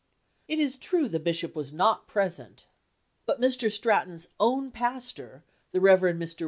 It is true the bishop was not present, but Mr. Stratton's own pastor, the Rev. Mr.